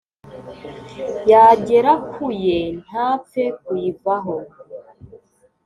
yagera kuye ntapfe kuyivaho